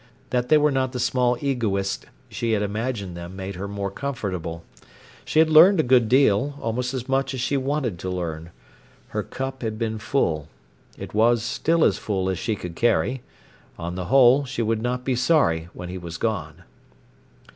That they were not the small egoists she had imagined them made her more comfortable. She had learned a good deal—almost as much as she wanted to learn. Her cup had been full. It was still as full as she could carry. On the whole, she would not be sorry when he was gone.